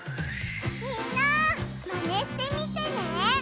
みんなマネしてみてね！